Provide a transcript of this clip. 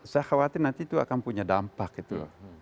saya khawatir nanti itu akan punya dampak gitu